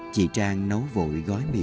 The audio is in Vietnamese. chị trang nấu vội gói mì tôm